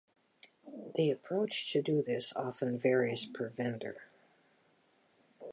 The approach to do this often varies per vendor.